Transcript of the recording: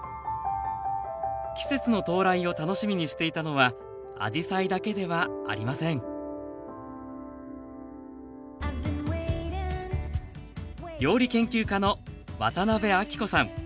季節の到来を楽しみにしていたのはあじさいだけではありません料理研究家の渡辺あきこさん。